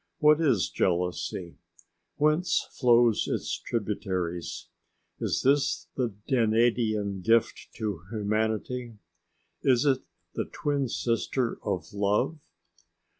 What is jealousy? Whence flow its tributaries? Is this the Danaidean gift to humanity? Is it the twin sister of love?